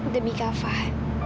demi kak fah